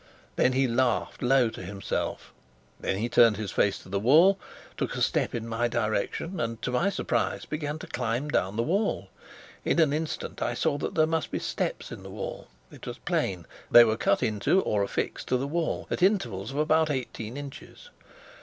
Then he laughed low to himself; then he turned his face to the wall, took a step in my direction, and, to my surprise, began to climb down the wall. In an instant I saw that there must be steps in the wall; it was plain. They were cut into or affixed to the wall, at intervals of about eighteen inches.